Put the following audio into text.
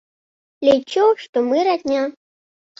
Лічу, што мы радня.